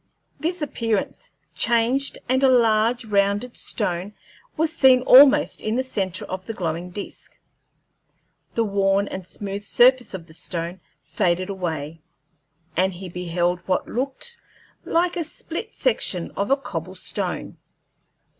This appearance changed, and a large rounded stone was seen almost in the centre of the glowing disk. The worn and smooth surface of the stone faded away, and he beheld what looked like a split section of a cobble stone.